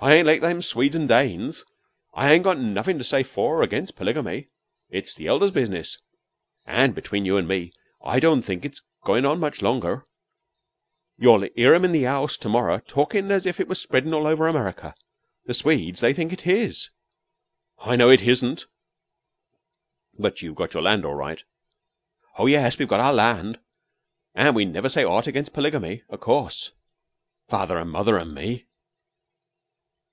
I ain't like them Swedes an' Danes. I ain't got nothin' to say for or against polygamy. It's the elders' business, an' between you an' me, I don't think it's going on much longer. You'll 'ear them in the 'ouse to morrer talkin' as if it was spreadin' all over America. The Swedes, they think it his. I know it hisn't." "But you've got your land all right?" "Oh, yes; we've got our land, an' we never say aught against polygamy, o' course father, an' mother, an' me."